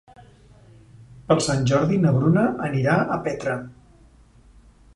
Per Sant Jordi na Bruna anirà a Petra.